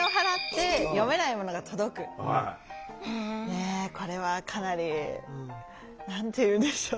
ねえこれはかなり何て言うんでしょう。